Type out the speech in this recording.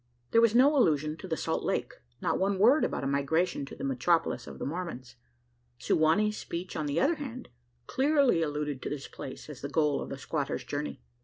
There was no allusion to the Salt Lake not one word about a migration to the metropolis of the Mormons. Su wa nee's speech, on the other hand, clearly alluded to this place as the goal of the squatter's journey!